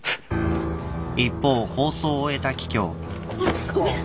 ちょっとごめん。